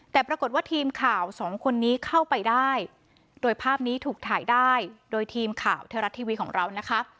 แต่ปรากฏว่าทีมข่าวสองคนนี้เข้าไปได้โดยภาพนี้ถูกถ่ายได้โดยทีมข่าวเทวรัฐทีวีของเรานะคะ